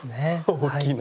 大きいな。